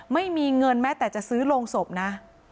ไม่มีเงินแม้แต่จะซื้อโรงศพนะ